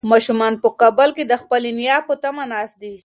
ماشومان په کابل کې د خپلې نیا په تمه ناست دي.